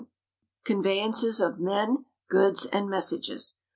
79 Conveyance of men, goods and messages 1.